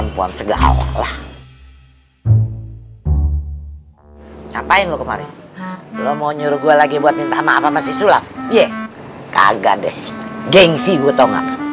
paku paku dicabutin dong